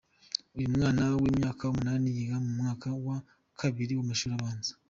Uyu mwana w’imyaka umunani, yiga mu mwaka wa kabiri w’amashuri abanza.